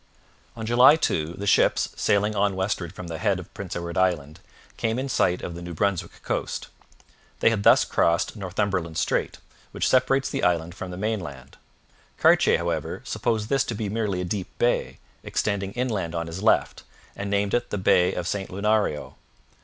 On July 2, the ships, sailing on westward from the head of Prince Edward Island, came in sight of the New Brunswick coast. They had thus crossed Northumberland Strait, which separates the island from the mainland. Cartier, however, supposed this to be merely a deep bay, extending inland on his left, and named it the Bay of St Lunario.